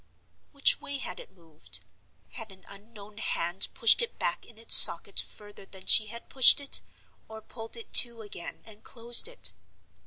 Which way had it moved? Had an unknown hand pushed it back in its socket further than she had pushed it, or pulled it to again, and closed it?